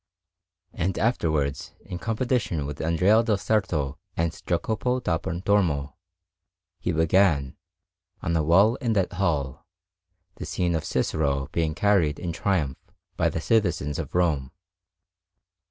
And afterwards, in competition with Andrea del Sarto and Jacopo da Pontormo, he began, on a wall in that hall, the scene of Cicero being carried in triumph by the citizens of Rome.